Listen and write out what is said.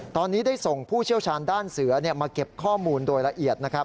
ตอนนี้ได้ส่งผู้เชี่ยวชาญด้านเสือมาเก็บข้อมูลโดยละเอียดนะครับ